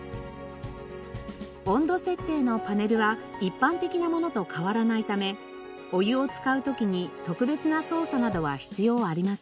温度設定のパネルは一般的なものと変わらないためお湯を使う時に特別な操作などは必要ありません。